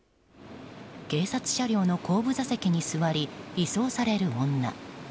警察車両の後部座席に座り移送される女。